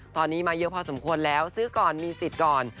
ตอนนี้มาเยอะพอสมควรแล้วซื้อก่อนมีสิทธิ์ก่อน